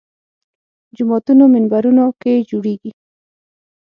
جوماتونو منبرونو کې جوړېږي